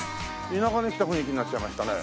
田舎に来た雰囲気になっちゃいましたね。